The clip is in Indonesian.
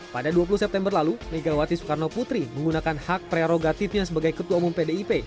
pada dua puluh september lalu megawati soekarno putri menggunakan hak prerogatifnya sebagai ketua umum pdip